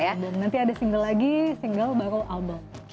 iya betul nanti ada single lagi single baru album